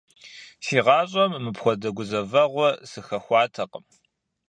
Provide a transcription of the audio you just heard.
Си гъащӀэм мыпхуэдэ гузэвэгъуэ сыхэхуатэкъым.